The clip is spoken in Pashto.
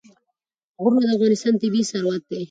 غرونه د افغانستان طبعي ثروت دی.